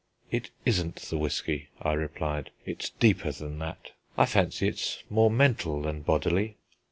"It isn't the whisky," I replied; "it's deeper than that. I fancy it's more mental than bodily."